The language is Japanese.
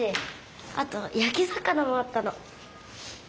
あとやき魚もあったの。